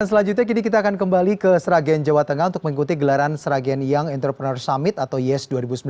dan selanjutnya kita akan kembali ke seragian jawa tengah untuk mengikuti gelaran seragian young entrepreneur summit atau yes dua ribu sembilan belas